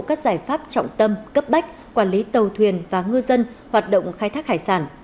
các giải pháp trọng tâm cấp bách quản lý tàu thuyền và ngư dân hoạt động khai thác hải sản